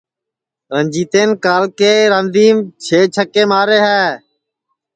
رنجیتین کال کے راندیم چھے چھکے مارے ہے